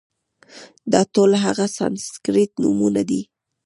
دا ټول هغه سانسکریت نومونه دي،